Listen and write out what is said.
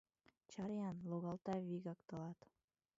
Чаре-ян Логалта вигак тылат.